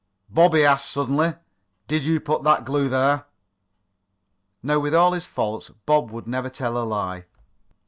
Bob," he asked suddenly, "did you put that glue there?" Now, with all his faults, Bob would never tell a lie.